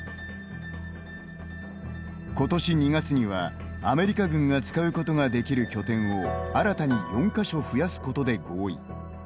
今年２月には、アメリカ軍が使うことができる拠点を新たに４か所増やすことで合意。